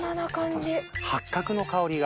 八角の香りが。